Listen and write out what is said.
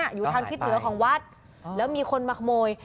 อยู่ทางทิศเหนือของวัดแล้วมีคนมาขโมย